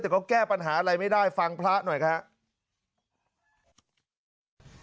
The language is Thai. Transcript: แต่ก็แก้ปัญหาอะไรไม่ได้ฟังพระหน่อยครับ